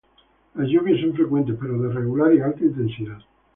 Las lluvias son frecuentes, pero de regular y alta intensidad.